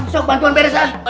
sok bantuan beres lah